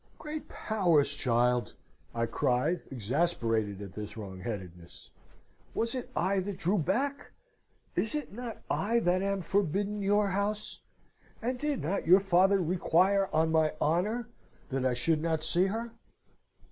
"Great powers, child!" I cried, exasperated at this wrongheadedness. "Was it I that drew back? Is it not I that am forbidden your house? and did not your father require, on my honour, that I should not see her?"